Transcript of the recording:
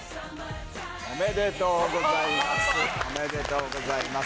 おめでとうございます。